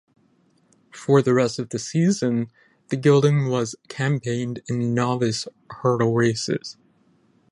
For the rest of the season the gelding was campaigned in Novice hurdle races.